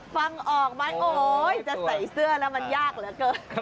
ฟังออกไหมโอ๊ยจะใส่เสื้อแล้วมันยากเหลือเกิน